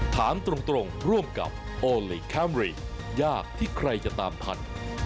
ถามตรงร่วมกับโอลี่คัมรี่ยากที่ใครจะตามทัน